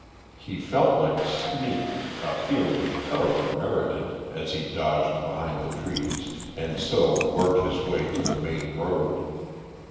He felt like a sneak, a feeling he thoroughly merited, as he dodged behind the trees and so worked his way to the main road.